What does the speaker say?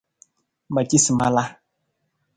Ma ci sa ma la.